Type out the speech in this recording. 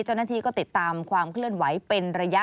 เจ้าหน้าที่ก็ติดตามความเคลื่อนไหวเป็นระยะ